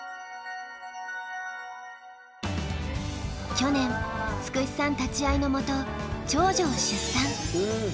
去年つくしさん立ち会いのもと長女を出産。